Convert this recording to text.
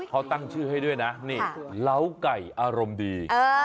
เขาตั้งชื่อให้ด้วยนะนี่เล้าไก่อารมณ์ดี